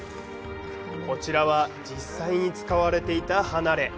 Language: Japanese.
こちらは実際に使われていた離れ。